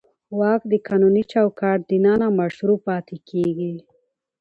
واک د قانوني چوکاټ دننه مشروع پاتې کېږي.